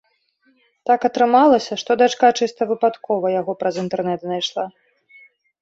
Так атрымалася, што дачка чыста выпадкова яго праз інтэрнэт знайшла.